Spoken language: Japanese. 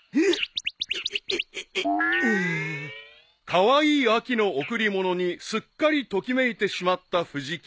［カワイイ秋の贈り物にすっかりときめいてしまった藤木］